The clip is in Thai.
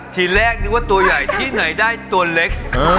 ทีแรกนึกว่าตัวใหญ่ที่ไหนได้ตัวเล็ก